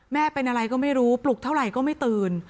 เป็นอะไรก็ไม่รู้ปลุกเท่าไหร่ก็ไม่ตื่น